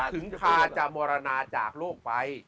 ถึงพาจามรณาจากโลกไป